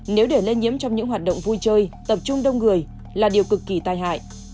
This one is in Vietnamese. nếu để lây nhiễm trong những hoạt động vui chơi tập trung đông người là điều cực kỳ tai hại